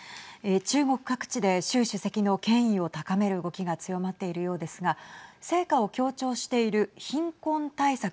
中国各地で習主席の権威を高める動きが強まっているようですが成果を強調している貧困対策